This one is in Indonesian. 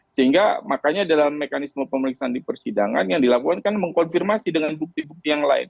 sehingga makanya dalam mekanisme pemeriksaan di persidangan yang dilakukan kan mengkonfirmasi dengan bukti bukti yang lain